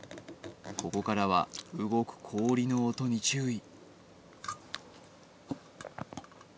ここからは動く氷の音に注意